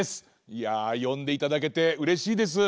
いやよんでいただけてうれしいです。